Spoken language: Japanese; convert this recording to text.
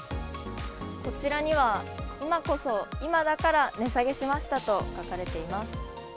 こちらには、今こそ、今だから値下げしましたと書かれています。